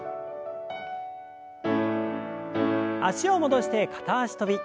脚を戻して片脚跳び。